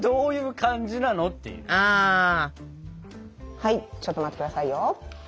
はいちょっと待ってくださいよ。